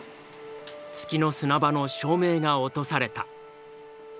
「月の砂場」の照明が落とされた。